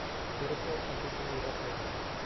"Cierpiał, aby mnie uratować!"